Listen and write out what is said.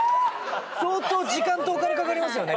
相当時間とお金かかりますよね